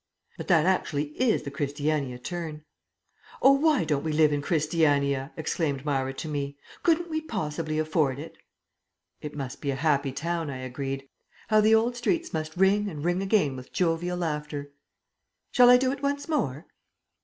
"But that actually is the Christiania Turn." "Oh, why don't we live in Christiania?" exclaimed Myra to me. "Couldn't we possibly afford it?" "It must be a happy town," I agreed. "How the old streets must ring and ring again with jovial laughter." "Shall I do it once more?"